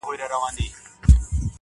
زه بې له تا گراني ژوند څنگه تېر كړم